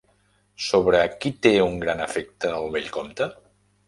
Sobre qui té un gran afecte el vell comte?